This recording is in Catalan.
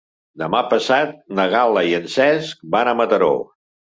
Demà passat na Gal·la i en Cesc van a Mataró.